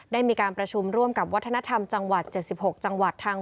ได้มีการประชุมร่วมกับวัฒนธรรมจังหวัดเจ็ดสิบหกจังหวัดทาง